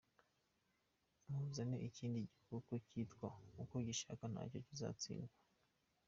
Muzane ikindi gikoko kitwa uko gishaka nacyo kizatsindwa.